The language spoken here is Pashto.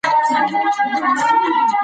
ډیری خلک د ویروس پر وړاندې انټي باډي لري.